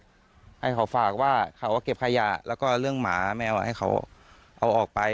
ให้เขาฝากว่าเขาก็เก็บขยะแล้วก็เรื่องหมาแมวให้เขาเอาออกไป